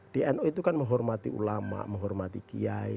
di nu itu kan menghormati ulama menghormati kiai